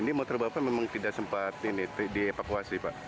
ini motor bapak memang tidak sempat di evakuasi pak